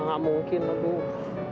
enggak mungkin aduh